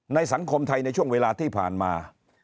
สังคมไทยในช่วงเวลาที่ผ่านมา